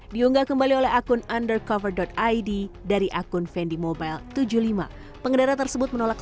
diunggah kembali oleh akun undercover id dari akun fendi mobile tujuh puluh lima pengendara tersebut menolak